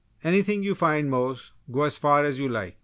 "Anything you find, Mose! Go as far as you like!"